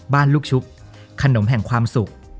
ลูกชุบขนมแห่งความสุข